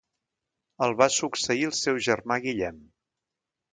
El va succeir el seu germà Guillem.